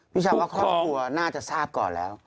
พี่ชาวว่าครอบครัวน่าจะทราบก่อนแล้ว